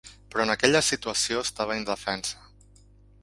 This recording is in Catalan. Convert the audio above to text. Però en aquella situació, estava indefensa.